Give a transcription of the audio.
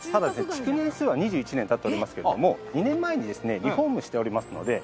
築年数は２１年経っておりますけれども２年前にですねリフォームしておりますので。